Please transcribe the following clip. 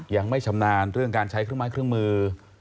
ยังไม่ชำนาญเรื่องการใช้เครื่องไม้เครื่องมือ